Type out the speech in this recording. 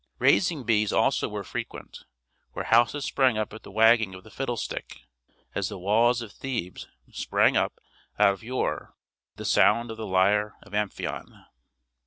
"Raising bees" also were frequent, where houses sprang up at the wagging of the fiddle stick, as the walls of Thebes sprang up of yore to the sound of the lyre of Amphion.